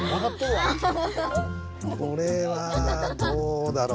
これはどうだろう。